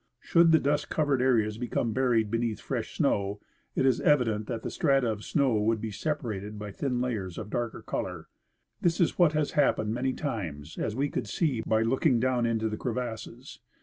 Should the dust covered areas become buried beneath fresh snow, it is evi dent that the strata of snow would be separated by thin layers of darker color. This is what has happened many times, as we could see by looking down into the crevasses.